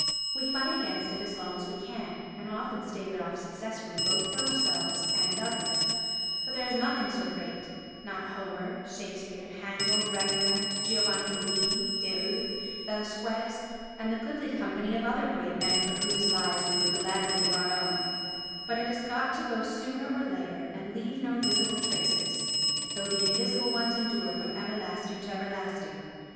We fight against it as long as we can, and often stave it off successfully both for ourselves and others, but there is nothing so great—not Homer, Shakespeare, Handel, Rembrandt, Giovanni Bellini, De Hooghe, Velasquez and the goodly company of other great men for whose lives we would gladly give our own—but it has got to go sooner or later and leave no visible traces, though the invisible ones endure from everlasting to everlasting.